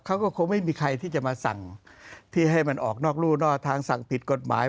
เขาก็คงไม่มีใครที่จะมาสั่งที่ให้มันออกนอกรู่นอกทางสั่งผิดกฎหมาย